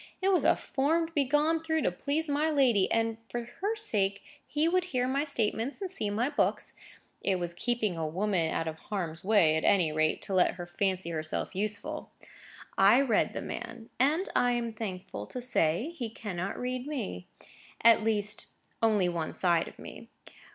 It was a form to be gone through to please my lady, and, for her sake, he would hear my statements and see my books. It was keeping a woman out of harm's way, at any rate, to let her fancy herself useful. I read the man. And, I am thankful to say, he cannot read me. At least, only one side of me.